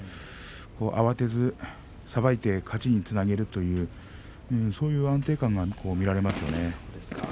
慌てず騒がず勝ちにつなげるそういう安定感が見られますよね。